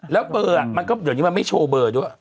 แล้วเบอร์มันก็เดี๋ยวนี้มันไม่โชว์เบอร์ด้วย